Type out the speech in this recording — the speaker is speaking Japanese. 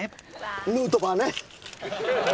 ヌートバーね！